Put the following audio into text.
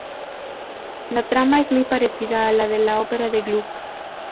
La trama es muy parecida a la de la ópera de Gluck.